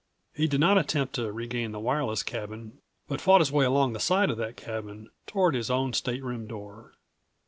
He did not attempt to regain the wireless cabin but fought his way along the side of that cabin toward his own stateroom door.